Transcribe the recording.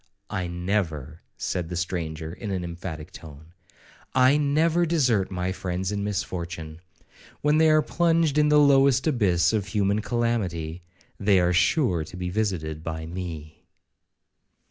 'I never,' said the stranger, in an emphatic tone,—'I never desert my friends in misfortune. When they are plunged in the lowest abyss of human calamity, they are sure to be visited by me.'